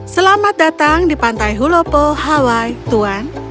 selamat datang di pantai hulopo hawaii tuan